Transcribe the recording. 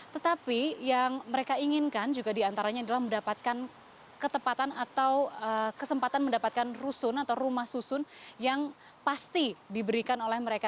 tetapi yang mereka inginkan juga diantaranya adalah mendapatkan ketepatan atau kesempatan mendapatkan rusun atau rumah susun yang pasti diberikan oleh mereka